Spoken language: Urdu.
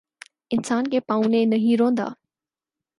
انسان کےپاؤں نے نہیں روندا